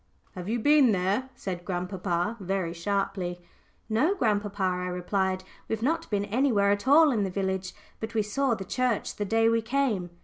"Have you been there?" said grandpapa, very sharply. "No, grandpapa," I replied; "we've not been anywhere at all in the village. But we saw the church the day we came."